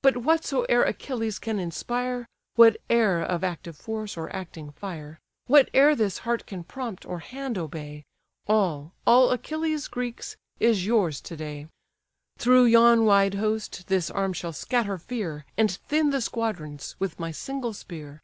But whatsoe'er Achilles can inspire, Whate'er of active force, or acting fire; Whate'er this heart can prompt, or hand obey; All, all Achilles, Greeks! is yours to day. Through yon wide host this arm shall scatter fear, And thin the squadrons with my single spear."